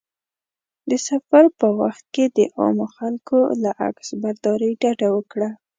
د سفر په وخت کې د عامو خلکو له عکسبرداري ډډه وکړه.